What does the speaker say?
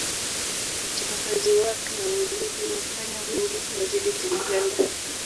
uchapakazi wake na uweledi umefanya wengi wazidi kumpenda